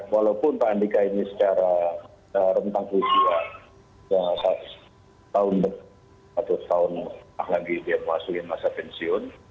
walaupun pak ndika ini secara rentang kursi yang seratus tahun lagi dia menghasilkan masa pensiun